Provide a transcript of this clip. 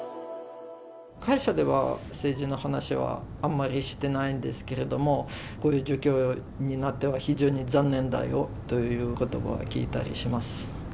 会社では、政治の話はあんまりしてないんですけれども、こういう状況になって非常に残念だよということばを聞いたりします。